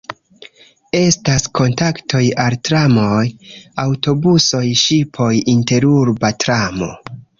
Estas kontaktoj al tramoj, aŭtobusoj, ŝipoj, interurba tramo.